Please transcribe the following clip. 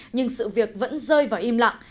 nhưng sự việc vẫn rơi vào im lặng